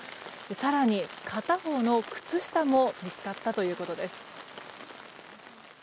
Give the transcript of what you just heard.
更に片方の靴下も見つかったということです。